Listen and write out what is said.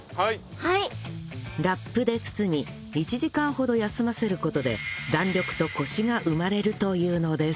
ラップで包み１時間ほど休ませる事で弾力とコシが生まれるというのです